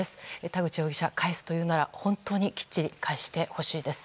田口容疑者、返すというなら本当にきっちり返してほしいです。